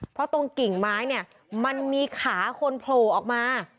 เพราะตรงกิ่งไม้เนี่ยมันมีขาคนโผล่ออกมา